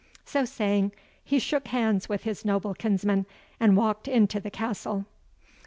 So saying, he shook hands with his noble kinsman, and walked into the castle.